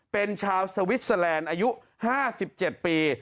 เป็นชาวสวิสเตอร์แลนด์อายุ๕๗ปี